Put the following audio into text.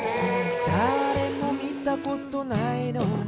「だれも見たことないのにな」